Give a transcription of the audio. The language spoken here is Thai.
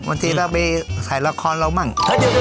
พวันทีพวกเราไปถ่ายลักครณ์เรามั่ง